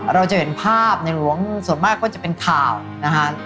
เราจะเห็นภาพในหลวงส่วนมากก็จะเป็นข่าวนะฮะ